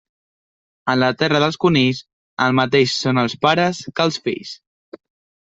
En la terra dels conills el mateix són els pares que els fills.